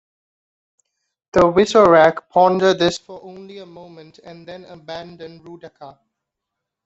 The Visorak ponder this for only a moment and then abandon Roodaka.